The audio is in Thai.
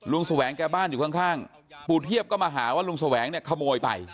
แสวงแกบ้านอยู่ข้างปู่เทียบก็มาหาว่าลุงแสวงเนี่ยขโมยไป